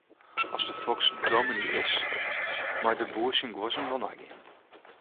As de foks dominy is, mei de boer syn guozzen wol neigean.